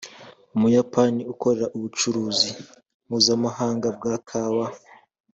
Umuyapani ukora ubucuruzi mpuzamahanga bwa kawa